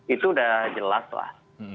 itu sudah jelas lah